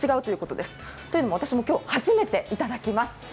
というのも私、今日、初めて頂きます。